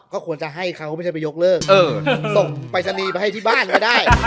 ก็ควรจะให้เขาไม่ใช่ไปยกเลิกส่งปรายศนีย์ไปให้ที่บ้านก็ได้